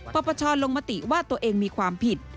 ปปชลงมติว่าตัวเองมีความผิด